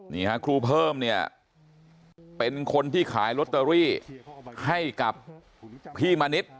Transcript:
นี่ฮะครูเพิ่มเนี่ยเป็นคนที่ขายลอตเตอรี่ให้กับพี่มณิษฐ์